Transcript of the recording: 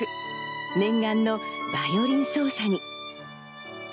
念願のバイオリン奏者に。